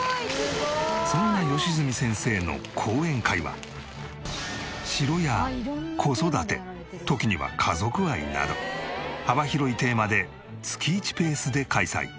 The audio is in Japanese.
そんな良純先生の講演会は城や子育て時には家族愛など幅広いテーマで月１ペースで開催。